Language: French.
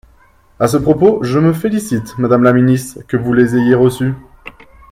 À ce propos, je me félicite, madame la ministre, que vous les ayez reçues.